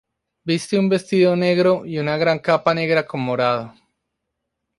Viste un vestido negro y una gran capa negra con morado.